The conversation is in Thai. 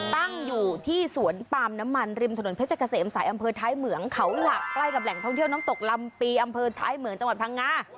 ตั้งอยู่ที่สวนปามน้ำมันริมถนนเพชรเกษมสายอำเภอท้ายเหมืองเขาหลักใกล้กับแหล่งท่องเที่ยวน้ำตกลำปีอำเภอท้ายเหมืองจังหวัดพังงา